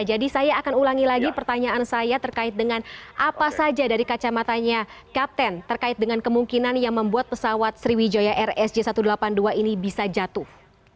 jadi saya akan ulangi lagi pertanyaan saya terkait dengan apa saja dari kacamatanya kapten terkait dengan kemungkinan yang membuat pesawat sriwijaya rsj satu ratus delapan puluh dua ini bisa jatuh